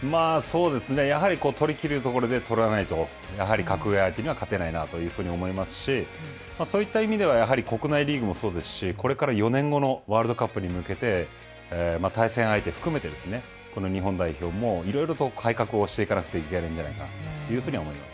やはり取りきるところで取らないとやはり格上相手には勝てないなと思いますしそういった意味ではやはり国内リーグもそうですしこれから４年後のワールドカップに向けて対戦相手含めて日本代表もいろいろと改革をしていかなくてはいけないんじゃないかなというふうに思います。